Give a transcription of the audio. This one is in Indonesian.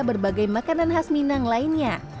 berbagai makanan khas minang lainnya